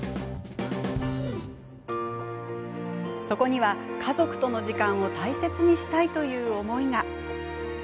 そこには、家族との時間を大切にしたいという思いが。